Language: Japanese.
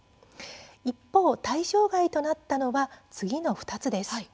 一方、対象外となったのは次の２つです。